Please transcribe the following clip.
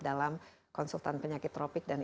dalam konsultan penyakit tropik dan